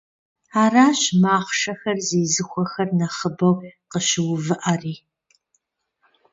Аращ махъшэхэр зезыхуэхэр нэхъыбэу къыщыувыӏэри.